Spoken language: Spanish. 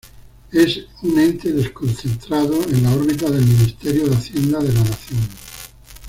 Es un ente desconcentrado en la órbita del Ministerio de Hacienda de la Nación.